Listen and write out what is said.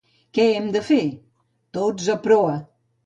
—Què hem de fer? —Tots a proa.